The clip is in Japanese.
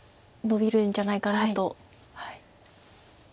ノビるんじゃないかなと。